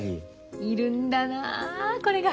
いるんだなこれが。